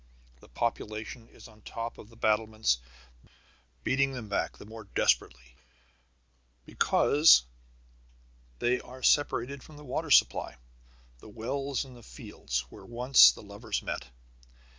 The population is on top of the battlements, beating them back the more desperately because they are separated from the water supply, the wells in the fields where once the lovers met.